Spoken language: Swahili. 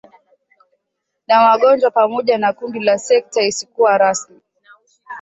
na wagonjwa pamoja na kundi na sekta isikuwa rasmi